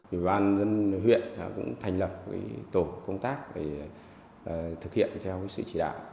ủy ban dân huyện cũng thành lập tổ công tác để thực hiện theo sự chỉ đạo